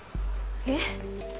えっ。